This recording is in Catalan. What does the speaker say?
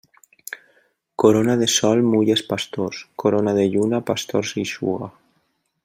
Corona de sol mulla els pastors, corona de lluna pastors eixuga.